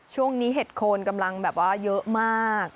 เห็ดโคนกำลังแบบว่าเยอะมาก